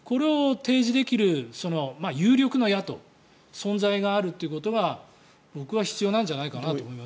これを提示できる有力な野党存在があるということが僕は必要なんじゃないかと思います。